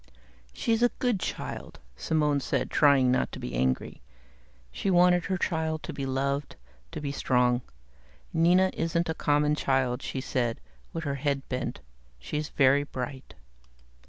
"She's a good child," Simone said, trying not to be angry. She wanted her child to be loved, to be strong. "Nina isn't a common child," she said, with her head bent. "She's very bright."